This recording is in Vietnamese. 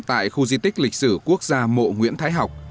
tại khu di tích lịch sử quốc gia mộ nguyễn thái học